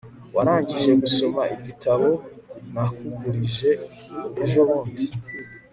warangije gusoma igitabo nakugurije ejobundi